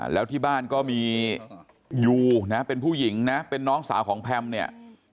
แล้วที่บ้านก็มียูนะเป็นผู้หญิงนะเป็นน้องสาวของแพมเนี่ย